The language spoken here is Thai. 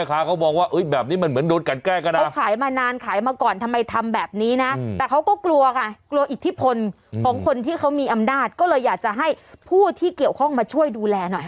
ก็เลยอยากจะให้ผู้ที่เกี่ยวข้องมาช่วยดูแลหน่อย